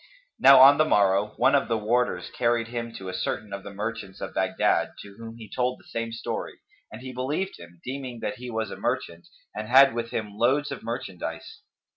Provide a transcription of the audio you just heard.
Now on the morrow, one of the warders carried him to a certain of the merchants of Baghdad, to whom he told the same story, and he believed him, deeming that he was a merchant and had with him loads of merchandise.